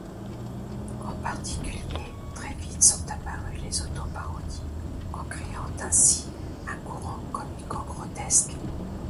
En particulier, très vite sont apparues les autoparodies, en créant ainsi un courant comico-grotesque.